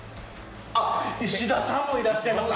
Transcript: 石田さんもいらっしゃいます。